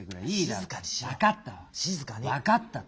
分かったったら。